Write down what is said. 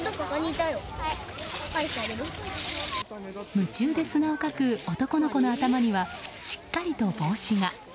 夢中で砂をかく男の子の頭にはしっかりと帽子が。